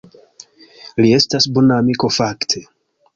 Li estas bona amiko fakte.